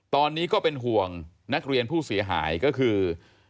ตอนนี้ก็เป็นห่วงนักเรียนผู้เสียหายก็คือ